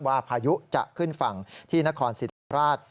พายุจะขึ้นฝั่งที่นครศรีธรรมราช